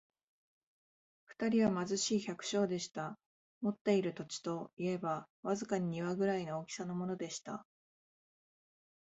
二人は貧しい百姓でした。持っている土地といえば、わずかに庭ぐらいの大きさのものでした。